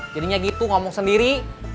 jadinya gitu ngomong sendiri